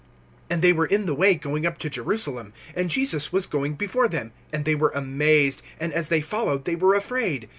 (32)And they were in the way going up to Jerusalem. And Jesus was going before them; and they were amazed, and as they followed they were afraid.